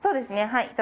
はい。